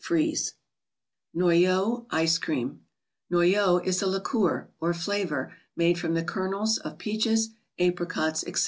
Freeze. £)opaur 3!ce*Cream. Noy " x is a 0 ^ or flavor, made from the kernels, of peaches, apricots, etc.